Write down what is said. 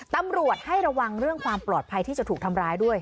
ตำรวจให้ระวังเรื่องความปลอดภัยที่จะถูกทำร้ายด้วย